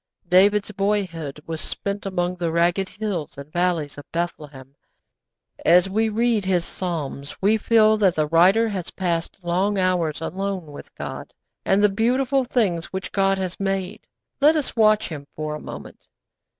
David's boyhood was spent among the rugged hills and valleys of Bethlehem. As we read his Psalms we feel that the writer has passed long hours alone with God, and the beautiful things which God has made. Let us watch him for a moment.